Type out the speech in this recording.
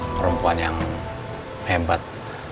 perempuan yang hebat